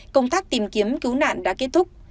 công tác tìm kiếm cứu nạn đã kết thúc